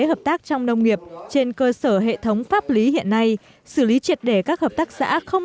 hợp tác trong nông nghiệp trên cơ sở hệ thống pháp lý hiện nay xử lý triệt để các hợp tác xã không